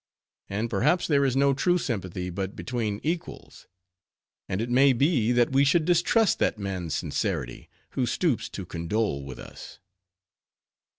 And perhaps there is no true sympathy but between equals; and it may be, that we should distrust that man's sincerity, who stoops to condole with us.